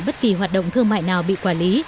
bất kỳ hoạt động thương mại nào bị quản lý